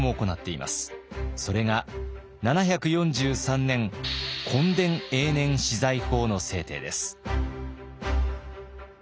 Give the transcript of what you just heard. それが７４３年墾田永年私財法の制定です。